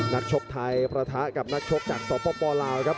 ชกไทยประทะกับนักชกจากสปลาวครับ